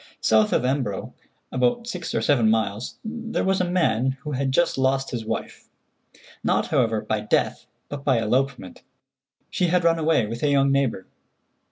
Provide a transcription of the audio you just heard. South of Embro, about six or seven miles, there was a man who had just lost his wife—not, however, by death, but by elopement. She had run away with a young neighbor.